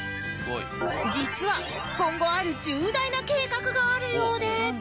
実は今後ある重大な計画があるようで